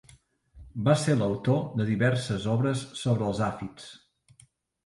Va ser l'autor de diverses obres sobre els àfids.